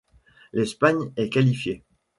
L'Espagne est qualifiée.